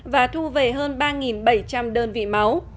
và thu về hơn ba bảy trăm linh đơn vị máu